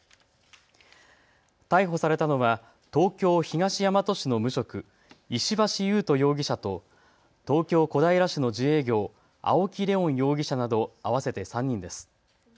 逮捕されたのは東京東大和市の無職、石橋勇人容疑者と東京小平市の自営業、青木玲音容疑者など合わせて３人です。